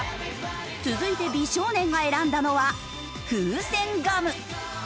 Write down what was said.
続いて美少年が選んだのは風船ガム。